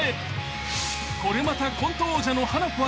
［これまたコント王者のハナコ